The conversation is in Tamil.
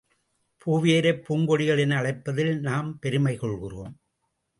பூவையரைப் பூங்கொடிகள் என அழைப்பதில் நாம் பெருமை கொள்கிறோம்.